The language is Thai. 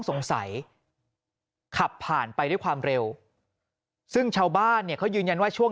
สงสัยขับผ่านไปด้วยความเร็วซึ่งชาวบ้านเนี่ยเขายืนยันว่าช่วง